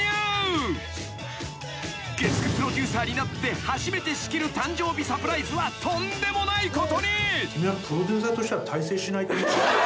［月９プロデューサーになって初めて仕切る誕生日サプライズはとんでもないことに］